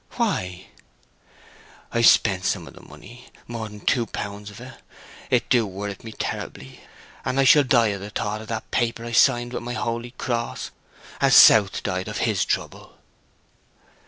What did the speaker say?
"Why?" "I've spent some of the money—more'n two pounds o't. It do wherrit me terribly; and I shall die o' the thought of that paper I signed with my holy cross, as South died of his trouble."